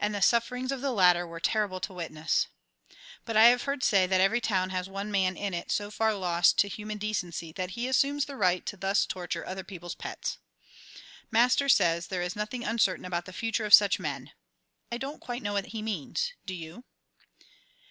And the sufferings of the latter were terrible to witness. But I have heard say that every town has one man in it so far lost to human decency that he assumes the right to thus torture other people's pets. Master says there is nothing uncertain about the future of such men. I don't quite know what he means, do you?